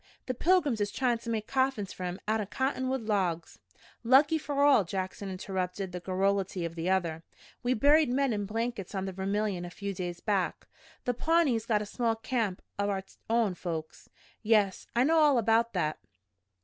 The pilgrims is tryin' to make coffins fer 'em out'n cottonwood logs." "Lucky for all!" Jackson interrupted the garrulity of the other. "We buried men in blankets on the Vermilion a few days back. The Pawnees got a small camp o' our own folks." "Yes, I know all about that."